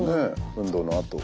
運動のあと。